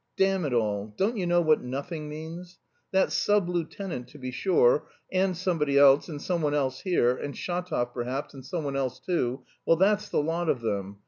Damn it all, don't you know what nothing means?... That sub lieutenant, to be sure, and somebody else and someone else here... and Shatov perhaps and someone else too well, that's the lot of them...